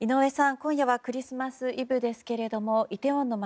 今夜はクリスマスイブですがイテウォンの街